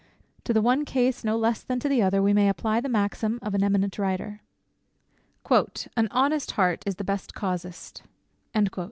To the one case no less than to the other, we may apply the maxim of an eminent writer; "An honest heart is the best casuist."